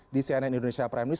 di cnn indonesia prime news